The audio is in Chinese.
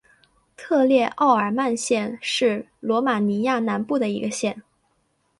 特列奥尔曼县是罗马尼亚南部的一个县。